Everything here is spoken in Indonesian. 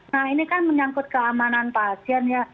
nah ini kan menyangkut keamanan pasien ya